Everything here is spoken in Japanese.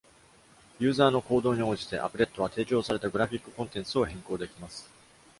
ユーザーの行動に応じて、アプレットは提供されたグラフィックコンテンツを変更できます。